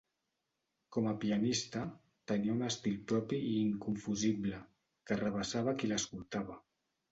Com a pianista tenia un estil propi i inconfusible, que arrabassava a qui l'escoltava.